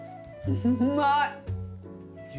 うまい！